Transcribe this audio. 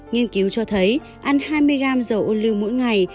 nghiên cứu cho thấy ăn hai mươi g dầu lưu mỗi ngày